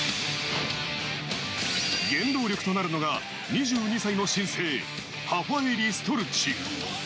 原動力となるのが２２歳の新星、ハファエリ・ストルチ。